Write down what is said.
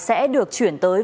sẽ được chuyển tới